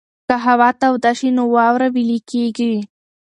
که هوا توده شي نو واوره ویلې کېږي.